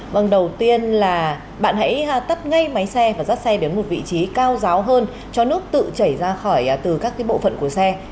vâng đầu tiên là bạn hãy tắt ngay máy xe và dắt xe đến một vị trí cao giáo hơn cho nước tự chảy ra khỏi từ các bộ phận của xe